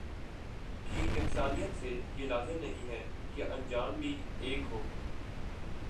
کی یکسانیت سے یہ لازم نہیں کہ انجام بھی ایک ہو